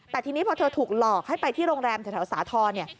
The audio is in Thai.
แต่ทีนี้พอเธอถูกหลอกให้ไปที่โรงแรมแถวสาธรณ์เนี่ย